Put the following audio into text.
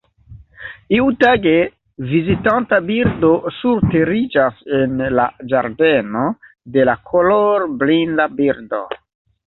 Iutage, vizitanta birdo surteriĝas en la ĝardeno de la kolorblinda birdo.